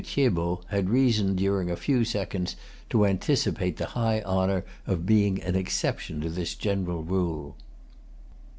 Thiébault had reason, during a few seconds, to anticipate the high honor of being an exception to this general rule.